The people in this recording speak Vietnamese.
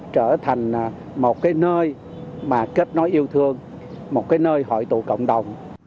trở thành một cái nơi mà kết nối yêu thương một cái nơi hội tụ cộng đồng